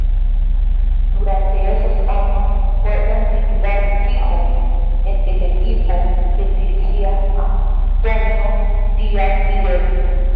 Durante esos años fue un titular fijo en el equipo que dirigía Antonio Díaz-Miguel.